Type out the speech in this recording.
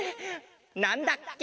なんだっけ？